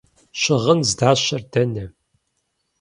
Щыгъын здащэр дэнэ?